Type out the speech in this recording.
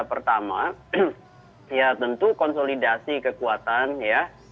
pertama ya tentu konsolidasi kekuatan ya